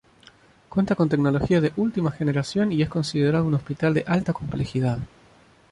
Cuenta con tecnología de última generación y es considerado un hospital de Alta Complejidad.